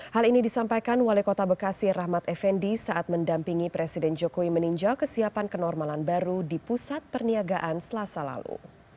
hal ini disampaikan wali kota bekasi rahmat effendi saat mendampingi presiden jokowi meninjau kesiapan kenormalan baru di pusat perniagaan selasa lalu